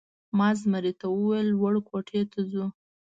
ما زمري ته وویل: لوړ کوټې ته ځو؟